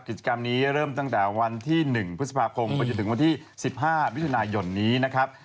กิจกรรมนี้เริ่มตั้งแต่วันที่๑พฤษภาคมไปจนถึงวันที่๑๕มิถุนายนนี้นะครับ